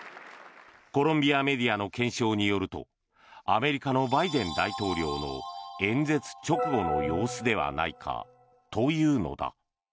コロンビアメディアの検証によるとアメリカのバイデン大統領の演説直後の様子ではないかというのだ。